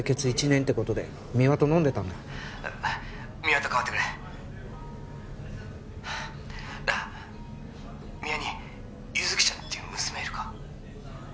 １年ってことで三輪と飲んでたんだ三輪と代わってくれなあ三輪に優月ちゃんっていう娘いるか？